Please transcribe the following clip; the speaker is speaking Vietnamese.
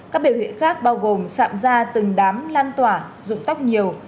các biểu hiện khác bao gồm sạm da từng đám lan tỏa dụng tóc nhiều